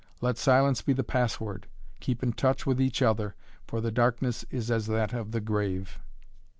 Let silence be the password. Keep in touch with each other, for the darkness is as that of the grave."